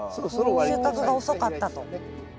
収穫が遅かったと。